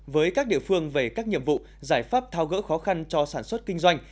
với các địa phương về các nhiệm vụ giải pháp thao gỡ khó khăn cho sản xuất kinh doanh